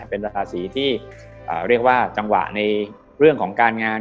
เป็นราศีที่เรียกว่าจังหวะในเรื่องของการงาน